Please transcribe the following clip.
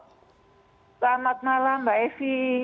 selamat malam mbak evi